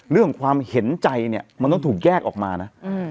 เรื่องความเห็นใจเนี่ยมันต้องถูกแยกออกมานะ